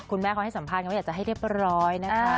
คุณแม่เขาให้สัมภาษณ์ว่าอยากจะให้เรียบร้อยนะคะ